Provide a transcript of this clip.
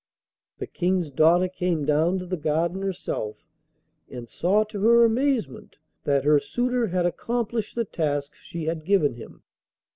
The King's daughter came down to the garden herself, and saw to her amazement that her suitor had accomplished the task she had given him.